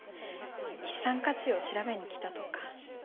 資産価値を調べに来たとか。